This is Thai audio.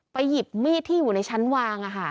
ไปหยิบมีดที่อยู่ในชั้นวางอ่ะค่ะ